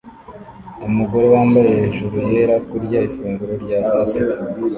Umugore wambaye hejuru yera kurya ifunguro rya sasita